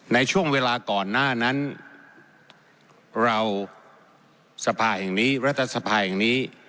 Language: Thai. ในช่วงเวลาก่อนหน้านั้นเราสภาแห่งนี้รัฐสภาแห่งนี้